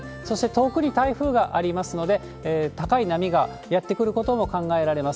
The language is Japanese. そして、遠くに台風がありますので、高い波がやって来ることも考えられます。